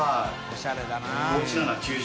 おしゃれだな。